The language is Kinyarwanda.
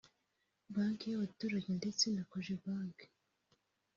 Banki y’Abaturage ndetse na Cogebank